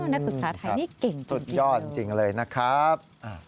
อ๋อนักศึกษาไทยนี่เก่งจริงเลยนะครับ